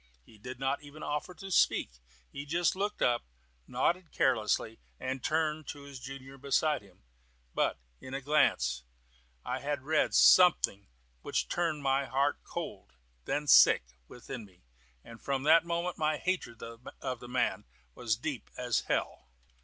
He did not even offer to speak. He just looked up, nodded carelessly, and turned to his junior beside him; but in that glance I had read something which turned my heart cold, then sick, within me, and from that moment my hatred of the man was as deep as hell.